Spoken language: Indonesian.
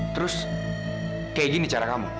terus kayak gini cara kamu